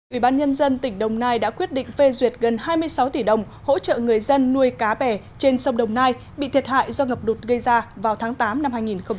ủy ban nhân dân tỉnh đồng nai đã quyết định phê duyệt gần hai mươi sáu tỷ đồng hỗ trợ người dân nuôi cá bè trên sông đồng nai bị thiệt hại do ngập lụt gây ra vào tháng tám năm hai nghìn một mươi chín